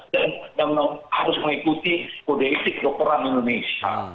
dan harus mengikuti kode etik dokteran indonesia